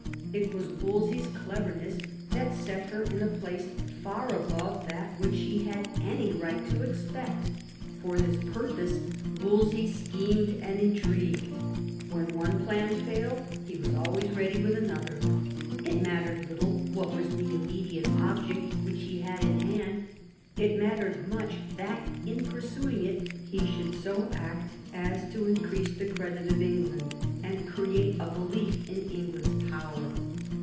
It was Wolsey's cleverness that set her in a place far above that which she had any right to expect For this purpose Wolsey THOMAS WOLSEY CHAP. schemed and intrigued; when one plan faUed he was alwa3rs ready with another. It mattered little what was the immediate object which he had in hand ; it mattered much that in pursuing it he should so act as to increase the credit of England, and create a belief in England's power.